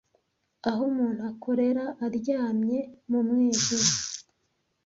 Aho umuntu akorera, aryamye mu mwijima.